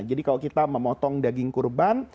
jadi kalau kita memotong daging kurban